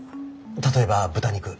例えば豚肉。